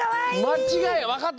まちがいわかったこれ！